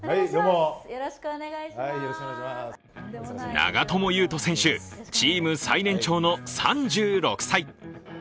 長友佑都選手、チーム最年長の３６歳。